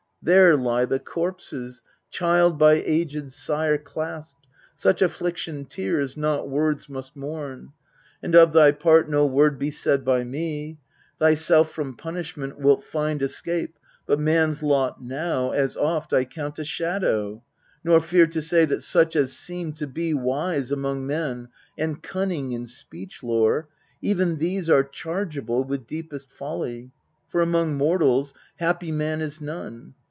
There lie the corpses, child by aged sire Clasped such affliction tears, not words, must mourn. And of thy part no word be said by me Thyself from punishment wilt find escape. But man's lot now, as oft, I count a shadow, Nor fear to say that such as seem to be Wise among men and cunning in speech lore, Even these are chargeable with deepest folly ; For among mortals happy man is none.